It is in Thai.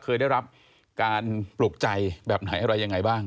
เคยได้รับการปลูกใจแบบไหนอะไรยังไงบ้าง